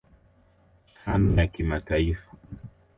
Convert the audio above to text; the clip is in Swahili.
tano ya kimataifa